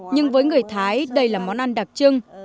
nhưng với người thái đây là món ăn đặc trưng